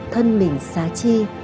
thân mình xá chi